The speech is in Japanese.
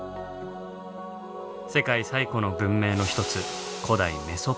世界最古の文明の一つ